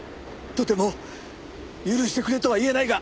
とても許してくれとは言えないが。